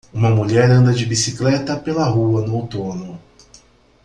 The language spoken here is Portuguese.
Uma mulher anda de bicicleta pela rua no outono